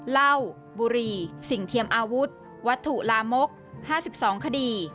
เหล้าบุรีสิ่งเทียมอาวุธวัตถุลามก๕๒คดี